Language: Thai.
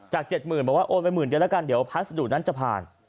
จาก๗๐๐๐๐บอกว่าโอนไป๑๐๐๐๐เดียวกันเดี๋ยวพัสดุนั้นจะผ่าน